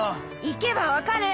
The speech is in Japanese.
行けば分かる！